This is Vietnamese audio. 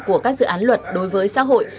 của các dự án luật đối với xã hội